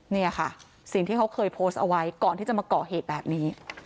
เนี่ยค่ะสิ่งที่เขาเคยโพสต์เอาไว้ก่อนที่จะมาก่อเหตุแบบนี้